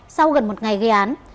sau gần một ngày gây án